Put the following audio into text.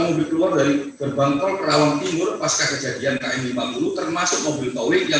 mobil keluar dari gerbang tol perawang timur pasca kejadian km lima puluh termasuk mobil towing yang